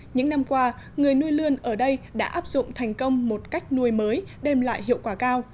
những năm qua người nuôi lươn ở đây đã áp dụng thành công một cách nuôi mới đem lại hiệu quả cao